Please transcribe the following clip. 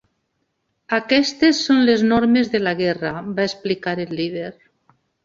"Aquestes són les normes de la guerra", va explicar el líder.